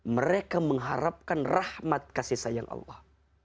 mereka mengharapkan rahmat kasih sayang allah